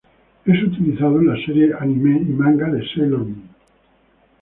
Es utilizado en la serie anime y manga de Sailor Moon.